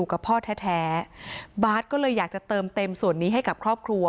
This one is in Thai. กับพ่อแท้บาทก็เลยอยากจะเติมเต็มส่วนนี้ให้กับครอบครัว